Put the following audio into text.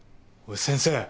おい先生。